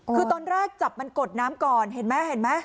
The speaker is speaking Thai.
คือตอนแรกจับมันกดน้ำก่อนเห็นมั้ย